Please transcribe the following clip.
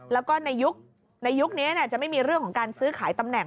แล้วก็ในยุคในยุคนี้จะไม่มีเรื่องของการซื้อขายตำแหน